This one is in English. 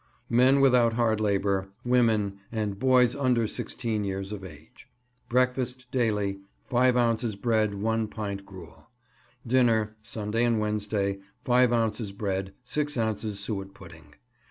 MEN WITHOUT HARD LABOUR, WOMEN, AND BOYS UNDER SIXTEEN YEARS OF AGE. Breakfast Daily 5 ounces bread, 1 pint gruel. Dinner Sunday and Wednesday 5 ounces bread, 6 ounces suet pudding.